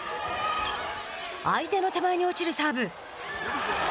相手の手前に落ちるサーブ。